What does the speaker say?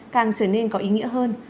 càng trở nên có ý nghĩa hơn